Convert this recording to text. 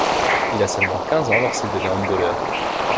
Il a seulement quinze ans lorsqu'il devient handballeur.